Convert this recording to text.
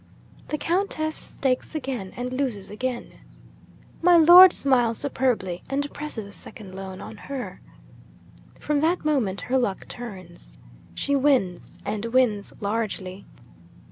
The Countess stakes again, and loses again. My Lord smiles superbly, and presses a second loan on her. From that moment her luck turns. She wins, and wins largely.